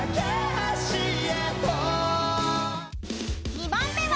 ［２番目は？］